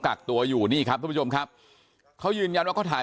กักตัวอยู่นี่ครับทุกผู้ชมครับเขายืนยันว่าเขาถ่าย